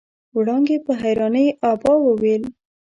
وړانګې په حيرانۍ ابا وويل.